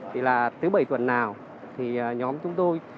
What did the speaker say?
thì là tới bảy tuần nào thì nhóm chúng tôi